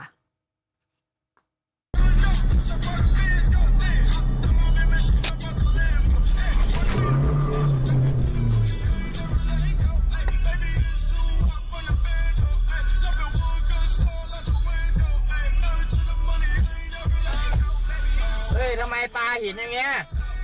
เฮ้ยทำไมปลาหินอย่างเงี้ยฮะ